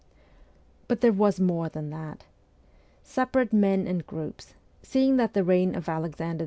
But there was more than that. Separate men and groups, seeing that the reign of Alexander II.